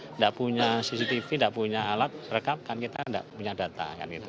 tidak punya cctv tidak punya alat rekap kan kita tidak punya data